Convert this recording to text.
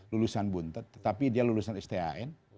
lulusan buntet tetapi dia lulusan stan